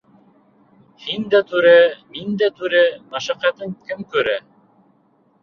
Һин дә түрә, мин дә түрә -Мәшәҡәтен кем күрә?